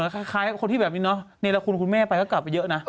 คล้ายนิรคุณคุณแม่ก็กลับไปเยอะนะ